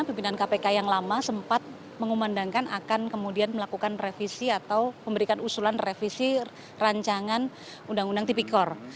pimpinan kpk yang lama sempat mengumandangkan akan kemudian melakukan revisi atau memberikan usulan revisi rancangan undang undang tipikor